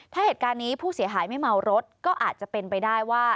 ถ้าเหตุการณ์นี้ผู้เสียหายไม่เมารถก็อาจจะเป็นไปได้ว่า